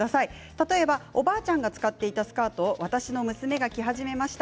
例えば、おばあちゃんが使っていたスカートを私の娘が着始めました。